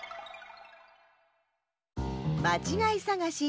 まちがいさがし２